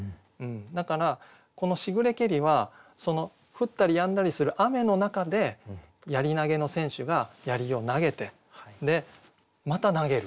だからこの「しぐれけり」は降ったりやんだりする雨の中で槍投げの選手が槍を投げてまた投げる。